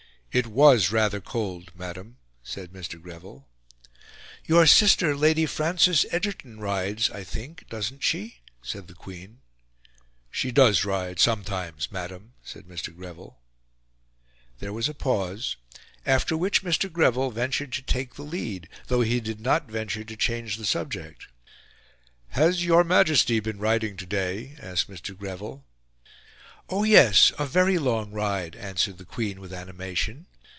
"It was rather cold, Madam," said Mr. Greville. "Your sister, Lady Frances Egerton, rides, I think, doesn't she?" said the Queen. "She does ride sometimes, Madam," said Mr. Greville. There was a pause, after which Mr. Greville ventured to take the lead, though he did not venture to change the subject. "Has your Majesty been riding today?" asked Mr. Greville. "Oh yes, a very long ride," answered the Queen with animation.